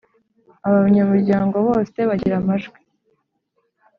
Abanyamuryango bose bagira amajwi